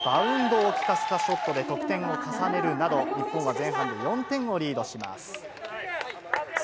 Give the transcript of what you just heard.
さらに金子選手は、バウンドを利かせたショットで得点を重ねるなど、日本は前半、４点をリードします。